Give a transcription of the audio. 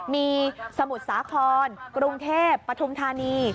มีสมุดสาธารณ์กรุงเทพฯประธุมธานี